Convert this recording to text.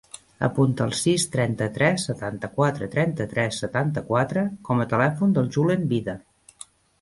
Apunta el sis, trenta-tres, setanta-quatre, trenta-tres, setanta-quatre com a telèfon del Julen Vida.